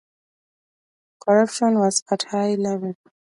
Corruption was at a high level.